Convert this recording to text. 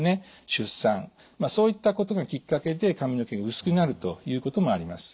出産そういったことがきっかけで髪の毛が薄くなるということもあります。